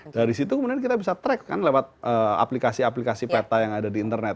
dari situ kemudian kita bisa track kan lewat aplikasi aplikasi peta yang ada di internet